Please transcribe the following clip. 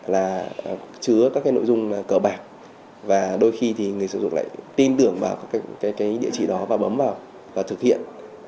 là chứa các cái nội dung cờ bạc và đôi khi thì người sử dụng lại tin tưởng vào cái địa chỉ đó và bấm vào và thực hiện